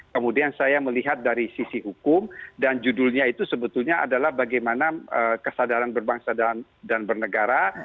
kemudian saya melihat dari sisi hukum dan judulnya itu sebetulnya adalah bagaimana kesadaran berbangsa dan bernegara